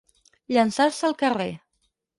Llançar-se al carrer.